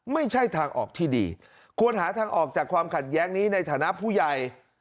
ไม่ใช่ทางออกที่ดีควรหาทางออกจากความขัดแย้งนี้ในฐานะผู้ใหญ่